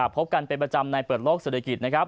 พบกันเป็นประจำในเปิดโลกเศรษฐกิจนะครับ